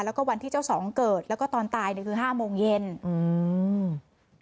แล้วก็วันที่เจ้าสองเกิดแล้วก็ตอนตายเนี้ยคือห้าโมงเย็นอืม